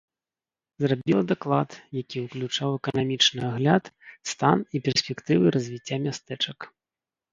Зрабіла даклад, які уключаў эканамічны агляд, стан і перспектывы развіцця мястэчак.